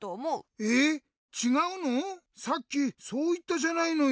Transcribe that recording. さっきそういったじゃないのよ！